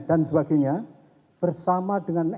dan sebagainya bersama dengan